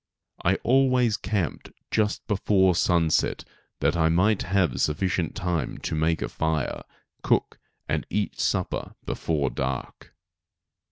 I always camped just before sunset that I might have sufficient time to make a fire, cook and eat supper before dark.